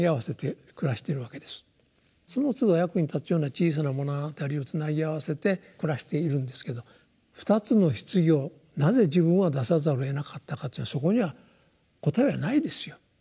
そのつど役に立つような「小さな物語」をつなぎ合わせて暮らしているんですけど「２つの棺をなぜ自分は出さざるをえなかったか」っていうのはそこには答えはないですよ。